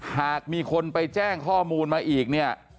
หากมีคนไปแจ้งข้อมูลมาอีกเนี่ย